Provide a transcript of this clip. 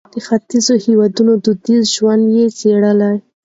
د ختیځو هېوادونو دودیز ژوند یې څېړلی.